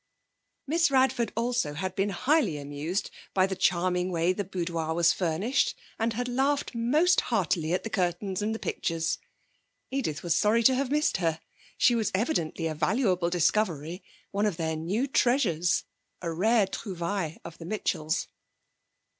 Miss Radford also had been highly amused by the charming way the boudoir was furnished, and had laughed most heartily at the curtains and the pictures. Edith was sorry to have missed her. She was evidently a valuable discovery, one of their new treasures, a rare trouvaille of the Mitchells.